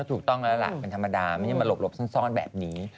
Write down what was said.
ถูกต้องแล้วล่ะเป็นธรรมดาไม่ใช่มาหลบซ่อนแบบนี้